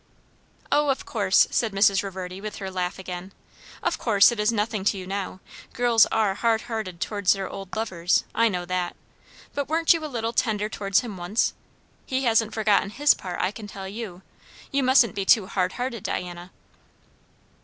"O, of course," said Mrs. Reverdy with her laugh again, "of course it is nothing to you now; girls are hard hearted towards their old lovers, I know that. But weren't you a little tender towards him once? He hasn't forgotten his part, I can tell you. You mustn't be too hard hearted, Diana."